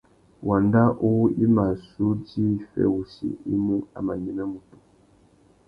Wanda uwú i mà zu djï fê wussi i mú, a mà nyême mutu.